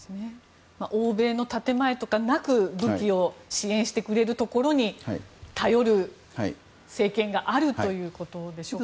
欧米の建前とかなく武器を支援してくれるところに頼る政権があるということでしょうか。